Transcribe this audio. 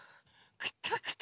くたくた。